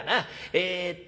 えっと